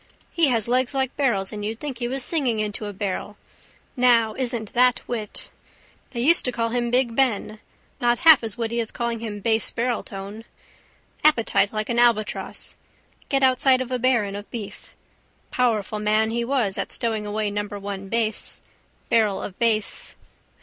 He has legs like barrels and you'd think he was singing into a barrel. Now, isn't that wit. They used to call him big Ben. Not half as witty as calling him base barreltone. Appetite like an albatross. Get outside of a baron of beef. Powerful man he was at stowing away number one Bass. Barrel of Bass.